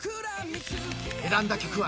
［選んだ曲は］